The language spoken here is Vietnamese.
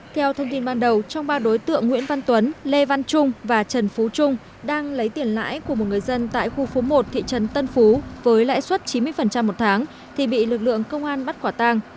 theo thông tin ban đầu trong ba đối tượng nguyễn văn tuấn lê văn trung và trần phú trung đang lấy tiền lãi của một người dân tại khu phố một thị trấn tân phú với lãi suất chín mươi một tháng thì bị lực lượng công an bắt quả tang